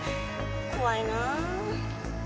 怖いなぁ。